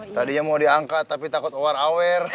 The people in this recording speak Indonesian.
tadinya mau diangkat tapi takut war war